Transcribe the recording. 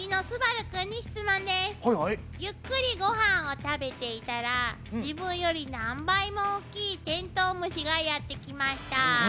ゆっくりご飯を食べていたら自分より何倍も大きいテントウムシがやって来ました。